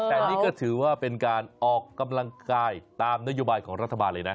แต่นี่ก็ถือว่าเป็นการออกกำลังกายตามนโยบายของรัฐบาลเลยนะ